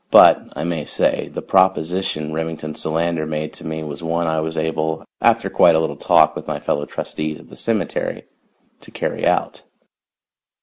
But, I may say, the proposition Remington Solander made to me was one I was able, after quite a little talk with my fellow trustees of the cemetery, to carry out.